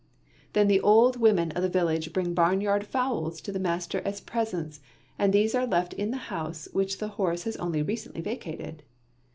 Then the old women of the village bring barnyard fowls to the master as presents, and these are left in the house which the horse has only recently vacated.